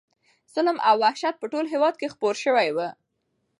ظلم او وحشت په ټول هېواد کې خپور شوی و.